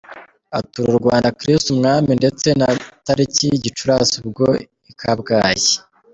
atura u Rwanda. Kristu Umwami ndetse na tariki Gicurasi ubwo i Kabgayi.